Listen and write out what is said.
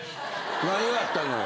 何があったのよ。